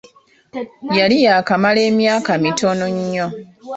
Yali yaakamala emyaka mitono nnyo.